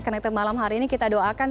connected malam hari ini kita doakan